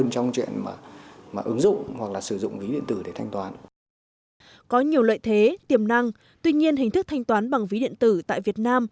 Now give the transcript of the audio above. có nhiều lợi thế tiềm năng tuy nhiên hình thức thanh toán bằng ví điện tử tại việt nam